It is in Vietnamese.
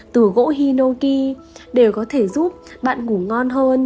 từ gỗ hinoki đều có thể giúp bạn ngủ ngon hơn